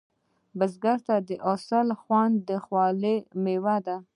بزګر ته د حاصل خوند د خولې میوه ده